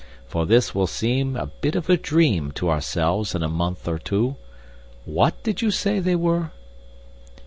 For this will seem a bit of a dream to ourselves in a month or two. WHAT did you say they were?"